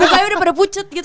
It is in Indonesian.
kayaknya udah pada pucet gitu